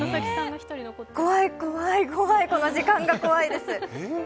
怖い、怖い、この時間が怖いです。